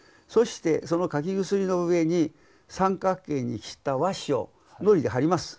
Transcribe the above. そしてその柿薬の上に三角形にした和紙をのりで貼ります。